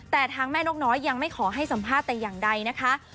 แต่ทางแม่นกน้อยยังไม่ขอให้สัมภาษณ์แต่อย่างใดนะคะ